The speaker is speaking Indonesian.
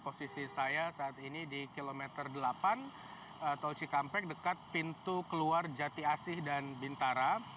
posisi saya saat ini di kilometer delapan tol cikampek dekat pintu keluar jati asih dan bintara